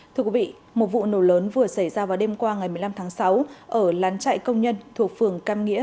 thưa quý vị một vụ nổ lớn vừa xảy ra vào đêm qua ngày một mươi năm tháng sáu ở lán trại công nhân thuộc phường cam nghĩa